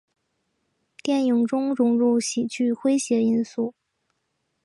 电影中融入喜剧诙谐因素。